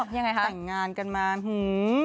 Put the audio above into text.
ยังไงคะแต่งงานกันมาหือ